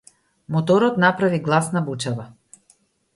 Моторот направи гласна бучава.